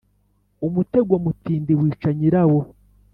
Umutego mutindi wica nyirawo.